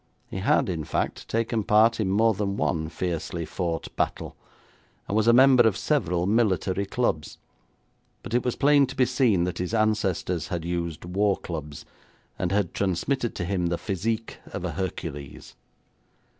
He had, in fact, taken part in more than one fiercely fought battle, and was a member of several military clubs; but it was plain to be seen that his ancestors had used war clubs, and had transmitted to him the physique of a Hercules.